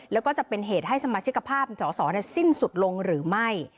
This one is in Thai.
แล้วก็จะเป็นเหตุให้สมาชิกภาพสอสอสิ้นสุดลงหรือไม่